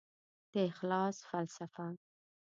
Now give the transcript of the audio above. د اخلاص فلسفه